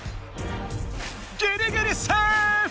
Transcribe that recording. ギリギリセーフ！